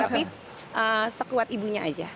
tapi sekuat ibunya aja